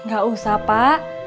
gak usah pak